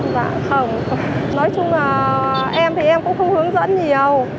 dạ không nói chung là em thì em cũng không hướng dẫn nhiều